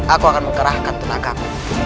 aku akan mengkerahkan tenagamu